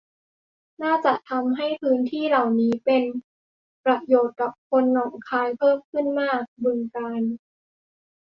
น่าจะทำให้พื้นที่เหล่านี้เป็นประโยชน์กับคนหนองคายเพิ่มขึ้นมาก บึงกาฬ